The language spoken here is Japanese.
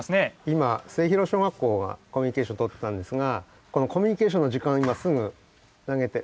今末広小学校がコミュニケーションとったんですがこのコミュニケーションの時間今すぐ投げて。